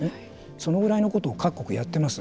そのぐらいのことを各国やっています。